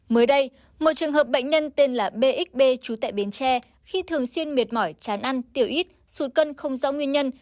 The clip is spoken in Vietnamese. mới đây một trường hợp bệnh nhân tên là bxb chú tại bến tre khi thường xuyên mệt mỏi chán ăn tiểu ít sụt cân không rõ nguyên nhân